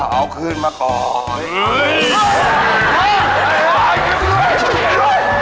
เอาขึ้นมาก่อน